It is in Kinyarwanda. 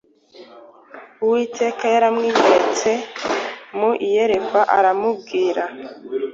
Uwiteka yaramwiyeretse mu iyerekwa aramubwira